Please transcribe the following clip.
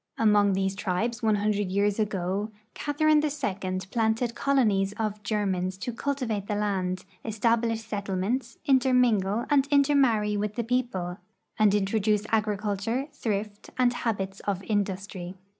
Among these tribes one hundred years ago Catherine II planted colonies of Germans to cultivate the land, establish set tlements, intermingle and intermarry with the people, and in troduce agriculture, thrift, and habits of industry.